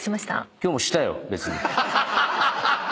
今日もしたよ別に。